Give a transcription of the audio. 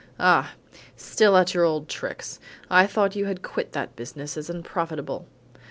"Ah! still at your old tricks! I thought you had quit that business as unprofitable."